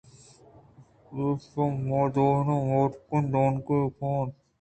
اے پہ مادوئیناں مبارکیں دانکے بہ بات